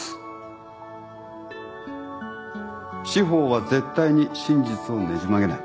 司法は絶対に真実をねじ曲げない。